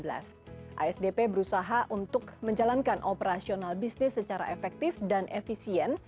asdp berusaha untuk menjalankan operasional bisnis secara efektif dan efisien